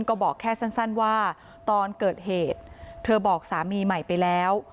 ก็บอกแค่สั้นว่าตอนเกิดเหตุเธอบอกสามีใหม่ไปแล้ว